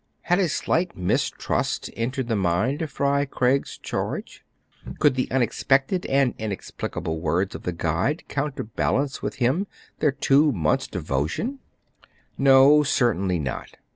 Had a slight mistrust entered the mind of Fry Craig's charge.^ could the unexpected and inex plicable words of the guide counterbalance with him their two months' devotion } No, certainly not